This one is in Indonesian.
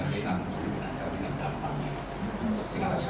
dan senang bermain dengan binatang dengan gampangnya